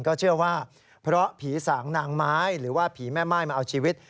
ก็เชื่อว่าเพราะผีสางนางไม้หรือว่าผีแม่ม่ายมาเอาชีวิต